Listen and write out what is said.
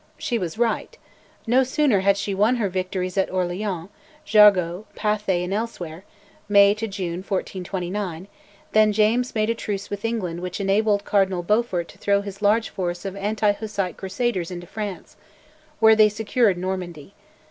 She was right: no sooner had she won her victories at Orleans, Jargeau, Pathay, and elsewhere (May June 1429) than James made a truce with England which enabled Cardinal Beaufort to throw his large force of anti Hussite crusaders into France, where they secured Normandy.